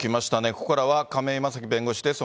ここからは亀井正貴弁護士です。